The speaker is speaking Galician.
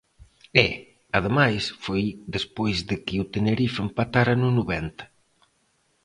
E, ademais, foi despois de que o Tenerife empatara no noventa.